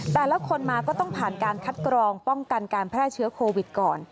แต่ละคนมาก็ต้องผ่านการคัดกรองป้องกันการแพร่เชื้อโควิดก่อน